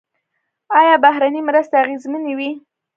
آیا بهرنۍ مرستې اغیزمنې وې؟